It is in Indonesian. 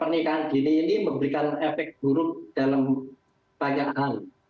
pernikahan dini ini memberikan efek buruk dalam banyak hal